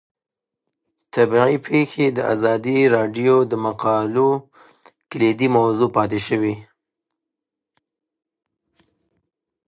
طبیعي پېښې د ازادي راډیو د مقالو کلیدي موضوع پاتې شوی.